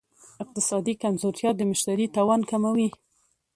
اقتصادي کمزورتیا د مشتري توان کموي.